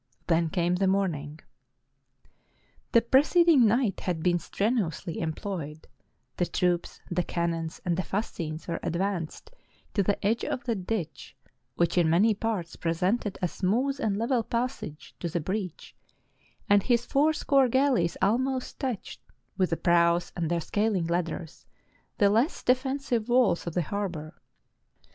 Then came the morning.] The preceding night had been strenuously employed: the troops, the cannons, and the fascines were advanced to the edge of the ditch, which in many parts presented a smooth and level passage to the breach; and his four score galleys almost touched, with the prows and their scaling ladders, the less defensible walls of the harbor.